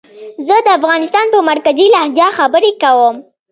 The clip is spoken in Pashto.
زه د افغانستان په مرکزي لهجه خبرې کووم